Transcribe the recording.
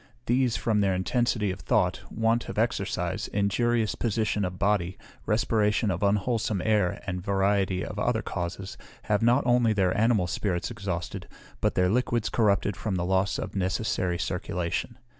These, from their intensity of thought, want of exercise, injurious position of body, respiration of unwholesome air, and a variety of other causes, have not only their animal spirits exhausted, but their liquids corrupted from the loss of a necessary circulation.